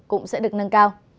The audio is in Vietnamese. cũng sẽ được nâng cao